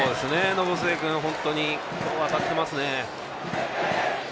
延末君、本当に今日は当たっていますね。